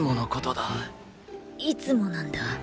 いつもなんだ。